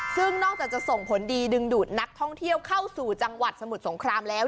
ซึ่งนอกจากจะส่งผลดีดึงดูดนักท่องเที่ยวเข้าสู่จังหวัดสมุทรสงครามแล้ว